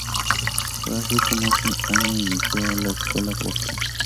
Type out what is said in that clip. Fue así como en ese año inició la Escuela Boston.